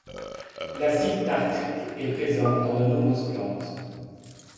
L'acide tartrique est présent dans de nombreuses plantes.